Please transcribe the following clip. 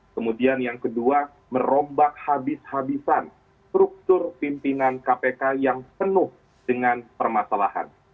kemudian yang kedua merombak habis habisan struktur pimpinan kpk yang penuh dengan permasalahan